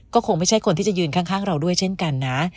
ก็คงไม่ใช่คนที่จะยืนข้างเราด้วยเช่นกันนะ